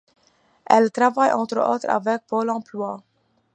Elle travaille entre autres avec Pôle emploi.